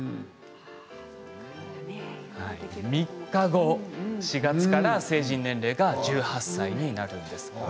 ３日後、４月から成人年齢が１８歳になるんです。